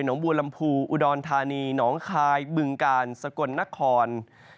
หนองบูรรมภูร์อุดรธานีหนองคายบึงกาลสกลนนคร